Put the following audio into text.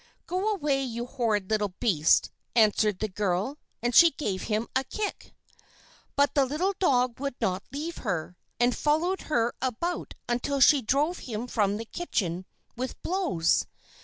"Go away, you horrid little beast," answered the girl, and she gave him a kick. But the little dog would not leave her, and followed her about until she drove him from the kitchen with blows.